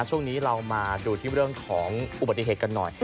ช่วงนี้เรามาดูเรื่องของอุปสรรคกันหน่อย